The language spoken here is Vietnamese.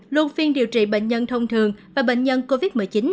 luôn phiên điều trị bệnh nhân thông thường và bệnh nhân covid một mươi chín